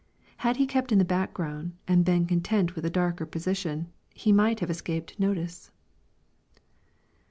Had he kept in the background, and been content with a darker posi tion, he might have escaped notice.